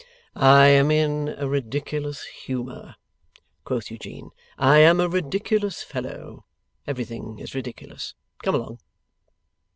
'I am in a ridiculous humour,' quoth Eugene; 'I am a ridiculous fellow. Everything is ridiculous. Come along!